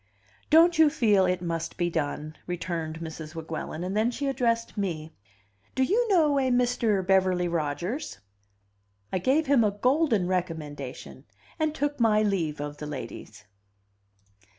"Don't you feel it must be done?" returned Mrs. Weguelin, and then she addressed me. "Do you know a Mr. Beverly Rodgers?" I gave him a golden recommendation and took my leave of the ladies.